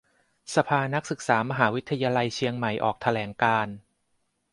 สภานักศึกษามหาวิทยาลัยเชียงใหม่ออกแถลงการณ์